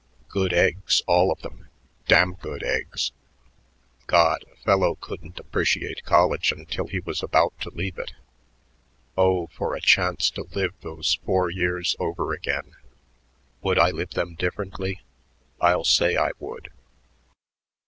Good eggs, all of them damn good eggs.... God! a fellow couldn't appreciate college until he was about to leave it. Oh, for a chance to live those four years over again. "Would I live them differently? I'll say I would."